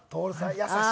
優しい方。